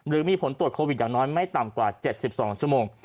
โดยมีผลตรวจโควิดอย่างน้อยไม่ต่ำกว่าเจ็ดสิบสองชั่วโมง